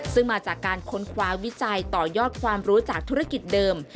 ซึ่งมาจากการค้นคว้าวิจัยต่อยอดความรู้จากธุรกิจเดิม